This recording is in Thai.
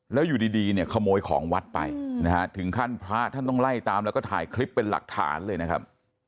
แล้วอยู่ดีเนี่ยขโมยของวัดไปนะฮะถึงขั้นพระท่านต้องไล่ตามแล้วก็ถ่ายคลิปเป็นหลักฐานเลยนะครับ